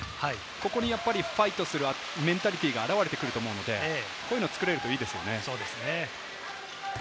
ここにファイトするメンタリティーが現れてくると思うので、こういうのが作れるといいですよね。